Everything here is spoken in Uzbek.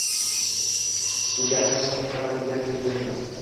Bunga ahamiyat qaratilgani bejiz emas.